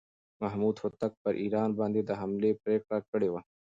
محمود هوتک پر ایران باندې د حملې پرېکړه کړې وه.